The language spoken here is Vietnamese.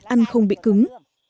ăn không bị cứng